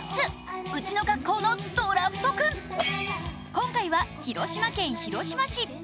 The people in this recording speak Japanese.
今回は広島県広島市。